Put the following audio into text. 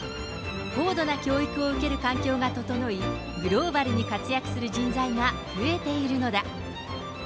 高度な教育を受け環境が整い、グローバルに活躍する人材が増えているのだ。